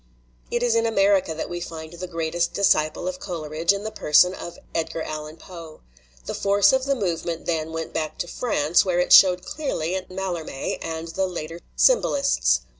It is in America that we find the greatest disciple of Coleridge in the person of Edgar Allan Poe. The force of the movement then went back to France, where it showed clearly in Mallarme and the later symbolists.